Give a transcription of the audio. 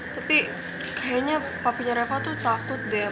tapi kayaknya papinya reva tuh takut deh